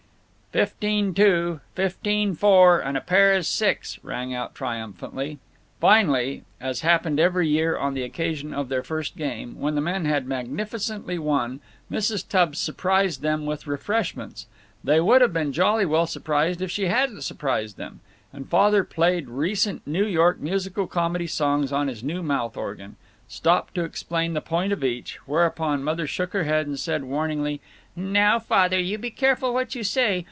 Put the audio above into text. "Fifteen two, fifteen four, and a pair is six!" rang out, triumphantly. Finally (as happened every year on the occasion of their first game), when the men had magnificently won, Mrs. Tubbs surprised them with refreshments they would have been jolly well surprised if she hadn't surprised them and Father played recent New York musical comedy songs on his new mouth organ, stopping to explain the point of each, whereupon Mother shook her head and said, warningly, "Now, Father, you be careful what you say.